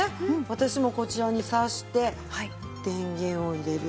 私もこちらにさして電源を入れる。